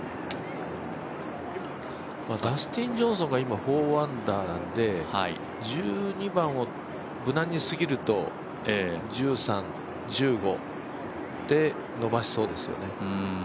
ダスティン・ジョンソンが今４アンダーなので１２番を無難に過ぎると１３、１５で伸ばしそうですよね。